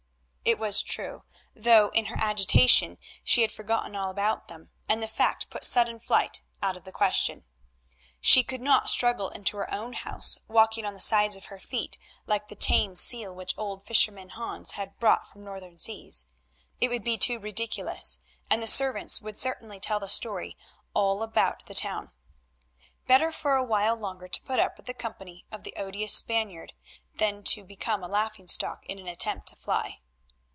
It was true, though in her agitation she had forgotten all about them, and the fact put sudden flight out of the question. She could not struggle into her own house walking on the sides of her feet like the tame seal which old fisherman Hans had brought from northern seas. It would be too ridiculous, and the servants would certainly tell the story all about the town. Better for a while longer to put up with the company of this odious Spaniard than to become a laughing stock in an attempt to fly.